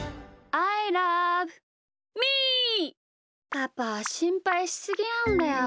パパしんぱいしすぎなんだよ。